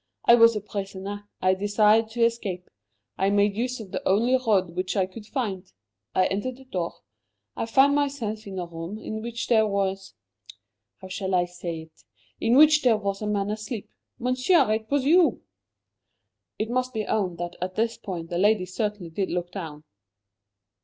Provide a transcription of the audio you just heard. I was a prisoner; I desired to escape; I made use of the only road which I could find. I entered the door; I found myself in a room in which there was how shall I say it? in which there was a man asleep. Monsieur, it was you!" It must be owned that at this point the lady certainly did look down.